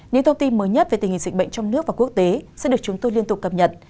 những thông tin mới nhất về tình hình dịch bệnh trong nước và quốc tế sẽ được chúng tôi liên tục cập nhật